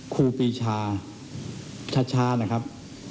คู่ปีชาชชนะครับ